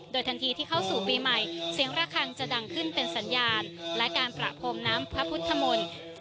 โดยทันทีที่เข้าสู่ปีใหม่เสียงระคังจะดังขึ้นเป็นสัญญาณและการประพรมน้ำพระพุทธมนต์